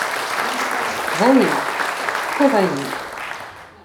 Dayen, tewwiḍ-iyi.